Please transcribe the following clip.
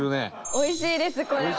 おいしいですこれは。